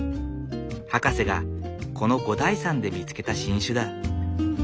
博士がこの五台山で見つけた新種だ。